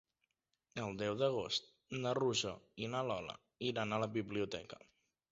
El deu d'agost na Rosó i na Lola iran a la biblioteca.